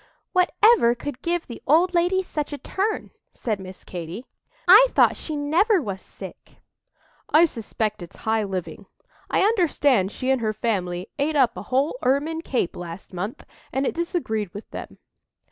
"Whatever could give the old lady such a turn?" said Miss Katy. "I thought she never was sick." "I suspect it's high living. I understand she and her family ate up a whole ermine cape last month, and it disagreed with them."